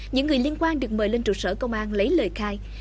những người liên quan được mời lên trụ sở công an lấy lời khai